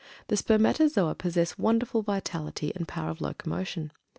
The spermatozoa possess wonderful vitality and power of locomotion.